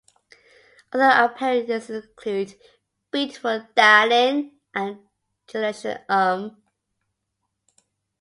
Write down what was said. Other appearances include "Beautiful Darling" and "Generation Um".